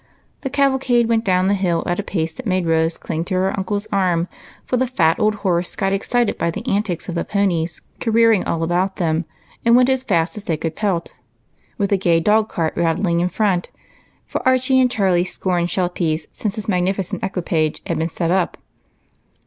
The cavalcade went down the hill at a pace that made Rose cling to her uncle's arm, for the fat old horses got excited by the antics of the ponies careering all about them, and Avent as fast as they could pelt, with the gay dog cart rattling in front, for Archie and Charlie scorned shelties since this magnificent equi page had been set up.